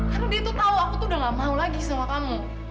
karena dia tuh tahu aku tuh udah nggak mau lagi sama kamu